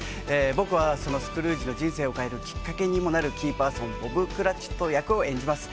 僕は、そのスクルージの人生を変えるきっかけにもなるキーパーソンボブ・クラチット役をやります。